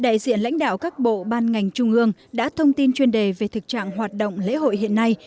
đại diện lãnh đạo các bộ ban ngành trung ương đã thông tin chuyên đề về thực trạng hoạt động lễ hội hiện nay